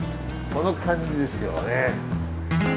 この感じですよね。